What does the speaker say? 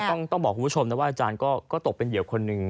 ต้องบอกคุณผู้ชมนะว่าอาจารย์ก็ตกเป็นเหยื่อคนหนึ่ง